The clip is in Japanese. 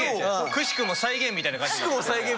くしくも再現みたいな感じになって。